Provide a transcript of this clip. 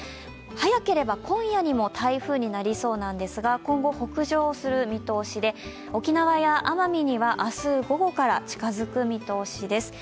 早ければ今夜にも台風になりそうですが今後、北上する見通しで沖縄や奄美には明日午後から近づく見通しです。